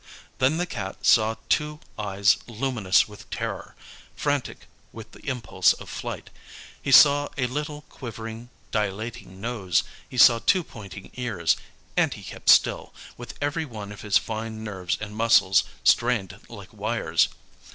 Then the Cat saw two eyes luminous with terror, frantic with the impulse of flight, he saw a little, quivering, dilating nose, he saw two pointing ears, and he kept still, with every one of his fine nerves and muscles strained like wires.